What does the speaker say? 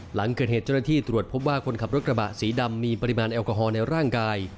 หลังเกิดเหตุเจ้าหน้าที่ตรวจพบว่าคนขับรถกระบะสีดำมีปริมาณแอลกอฮอล์ในร่างกาย